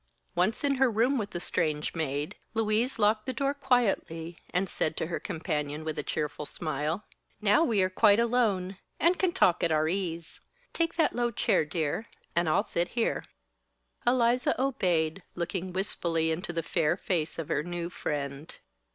Once in her room with the strange maid, Louise locked the door quietly and said to her companion with a cheerful smile: "Now we are quite alone, and can talk at our ease. Take that low chair, dear, and I'll sit here." Eliza obeyed, looking wistfully into the fair face of her new friend.